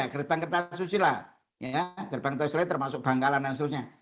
gerbang kertasusila gerbang tasila termasuk bangkalan dan sebagainya